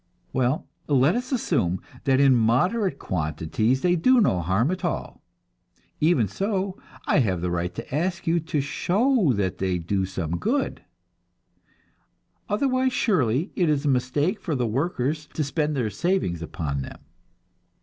Well, let us assume that in moderate quantities they do no harm at all: even so, I have the right to ask you to show that they do some good; otherwise, surely, it is a mistake for the workers to spend their savings upon them.